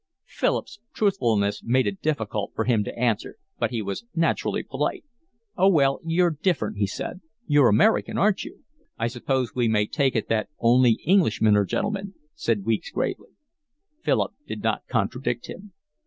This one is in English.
Philip's truthfulness made it difficult for him to answer, but he was naturally polite. "Oh, well, you're different," he said. "You're American, aren't you?" "I suppose we may take it that only Englishmen are gentlemen," said Weeks gravely. Philip did not contradict him.